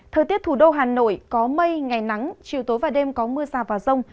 thời tiết thủ đô hà nội có mây ngày nắng chiều tối và đêm có mưa rào và rông